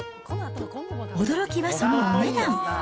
驚きはそのお値段。